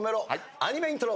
アニメイントロ。